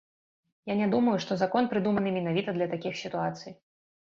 Я не думаю, што закон прыдуманы менавіта для такіх сітуацый.